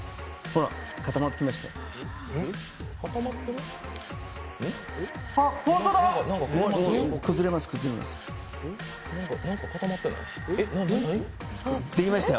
ほら、固まってきました。